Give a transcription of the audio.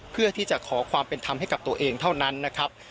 เพื่อที่จะขอความเป็นธรรมให้กับตัวเองเท่านั้นนะครับ